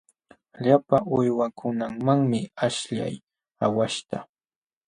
Llapa uywankunamanmi aśhllay aawaśhta ćhuqaqlun.